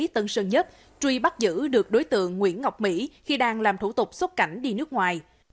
tân sơn nhất truy bắt giữ được đối tượng nguyễn ngọc mỹ khi đang làm thủ tục xốt cảnh đi nước ngoài